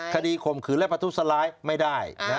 คดีข่มขืนและปลาตู้สลายไม่ได้